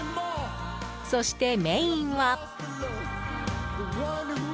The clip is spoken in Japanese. そしてメインは。